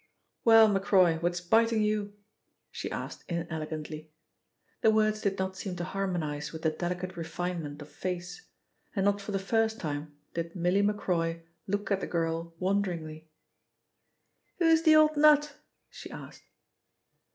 "Well, Macroy, what's biting you?" she asked inelegantly. The words did not seem to harmonise with the delicate refinement of face, and not for the first time did Milly Macroy look at the girl wonderingly. "Who's the old nut?" she asked.